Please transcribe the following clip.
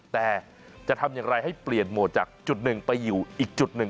แต่จะทำอย่างไรให้เปลี่ยนโหมดจากจุดหนึ่งไปอยู่อีกจุดหนึ่ง